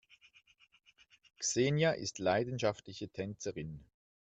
Xenia ist leidenschaftliche Tänzerin.